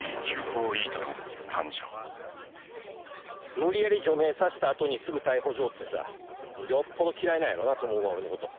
無理やり除名させたあとにすぐ逮捕状取ってさ、よっぽど嫌いなんだろうなと思うわ、俺のこと。